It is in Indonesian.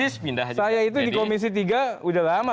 saya itu di komisi tiga udah lama